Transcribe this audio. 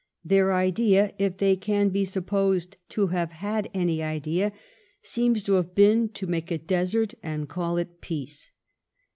Their idea, if they can be sup posed to have had any idea, seems to have been to make a desert and call it peace.